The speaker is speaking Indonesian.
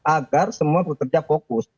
agar semua pekerja fokus